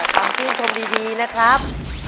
อ๋อความคิดชมดีนะครับ